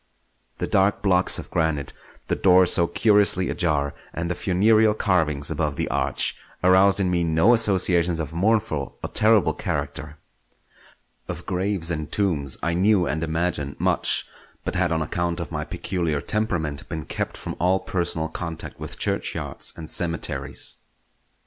The dark blocks of granite, the door so curiously ajar, and the funereal carvings above the arch, aroused in me no associations of mournful or terrible character. Of graves and tombs I knew and imagined much, but had on account of my peculiar temperament been kept from all personal contact with churchyards and cemeteries.